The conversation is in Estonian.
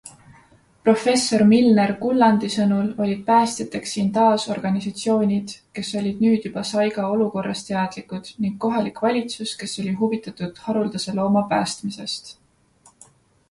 Professor Milner-Gullandi sõnul olid päästjateks siin taas organisatsioonid, kes olid nüüd juba saiga olukorrast teadlikud ning kohalik valitsus, kes oli huvitatud haruldase looma päästmisest.